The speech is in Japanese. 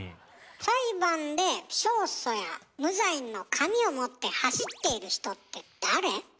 裁判で勝訴や無罪の紙を持って走っている人って誰？